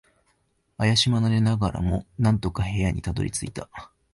怪しまれながらも、なんとか部屋にたどり着いた。